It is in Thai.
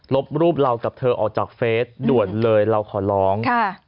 บรูปเรากับเธอออกจากเฟสด่วนเลยเราขอร้อง